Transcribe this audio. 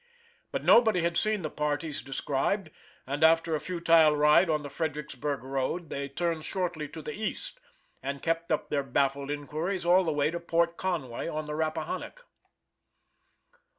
But nobody had seen the parties described, and, after a futile ride on the Fredericksburg road, they turned shortly to the east, and kept up their baffled inquiries all the way to Port Conway, on the Rappahannock.